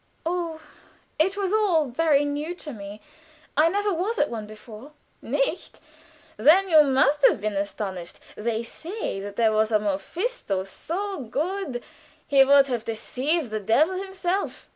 "Oh, it was all very new to me. I never was at one before." "Nicht? Then you must have been astonished. They say there was a Mephisto so good he would have deceived the devil himself.